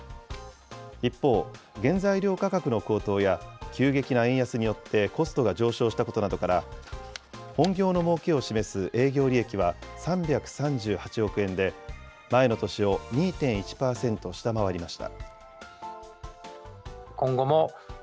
一方、原材料価格の高騰や、急激な円安によってコストが上昇したことなどから、本業のもうけを示す営業利益は３３８億円で、前の年を２．１％下回りました。